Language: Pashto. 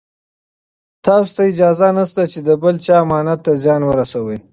تاسو ته اجازه نشته چې د بل چا امانت ته زیان ورسوئ.